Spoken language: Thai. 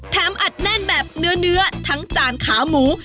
อัดแน่นแบบเนื้อทั้งจานขาหมู